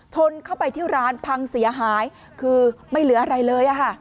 ชนเข้าไปที่ร้านพังเสียหายคือไม่เหลืออะไรเลย